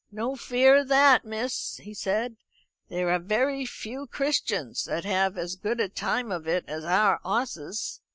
"No fear of that, miss," he said; "there are very few Christians that have as good a time of it as our hosses."